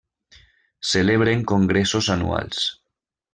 Celebren congressos anuals.